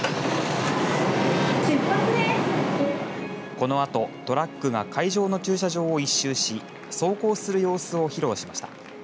このあとトラックが会場の駐車場を一周し走行する様子を披露しました。